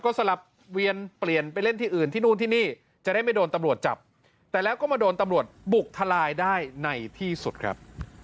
ก็สลับเวียนเปลี่ยนไปเล่นที่อื่นที่นู่นที่นี่จะได้ไม่โดนตำรวจจับแต่แล้วก็มาโดนตำรวจบุกทลายได้ในที่สุดครับ